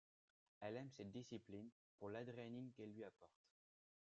Elle aime cette discipline pour l'adrénaline qu'elle lui apporte.